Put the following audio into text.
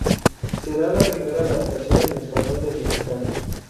Será la primera adaptación en español del musical.